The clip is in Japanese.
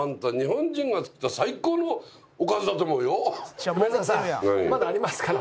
違う梅沢さんまだありますから。